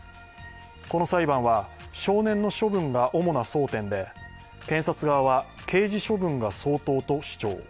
この裁判は、少年の処分が主な争点で、検察側は刑事処分が相当と主張。